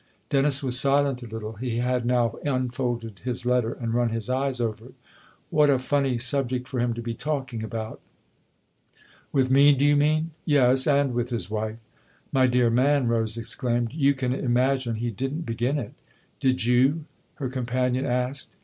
Dennis was silent a little : he had now unfolded his letter and run his eyes over it. " What a funny subject for him to be talking about !" THE OTHER HOUSE 59 " With me, do you mean ?"" Yes, and with his wife." "My dear man," Rose exclaimed, "you can imagine he didn't begin it !" "Did you?" her companion asked.